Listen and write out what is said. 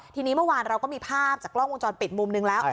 ทีนี้เมื่อวานเราก็มีภาพจากกล้องวงจรปิดมุมนึงแล้ว